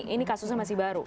ini kasusnya masih baru